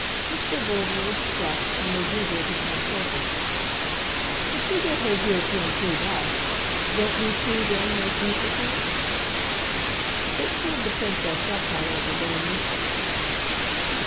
Mr. Verver was struck and, as usual, to some purpose. "If we get her here to improve us don't we too then make use of her?" It pulled the Princess up, however, but an instant.